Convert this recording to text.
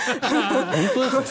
本当ですね。